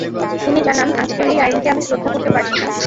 তিনি জানান, "আজকের এই আইনকে আমি শ্রদ্ধা করতে পারছি না।